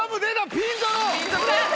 ピンゾロだ！